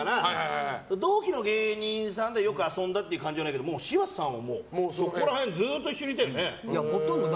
同期の芸人さんとよく遊んだ感じはないけど柴田さんはそこら辺ずっと一緒にいたよね。